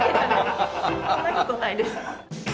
そんな事ないです。